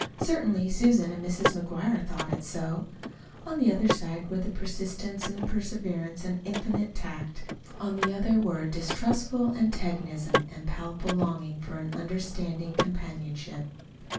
Certainly Susan and Mrs. McGuire thought it so. On the one side were persistence and perseverance and infinite tact. On the other were a distrustful antagonism and a palpable longing for an understanding companionship.